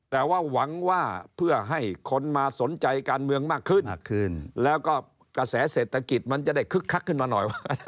แต่ว่าหวังว่าเพื่อให้คนมาสนใจการเมืองมากขึ้นแล้วก็กระแสเศรษฐกิจมันจะได้คึกคักขึ้นมาหน่อย